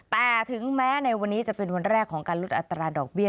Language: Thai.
แต่ถึงแม้ในวันนี้จะเป็นวันแรกของการลดอัตราดอกเบี้ย